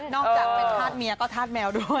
อยู่บ้านนอกจากเป็นธาตุเมียก็ธาตุแมวด้วย